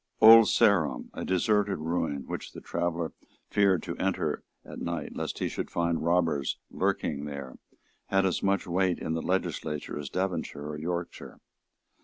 Old Sarum, a deserted ruin which the traveller feared to enter at night lest he should find robbers lurking there, had as much weight in the legislature as Devonshire or Yorkshire.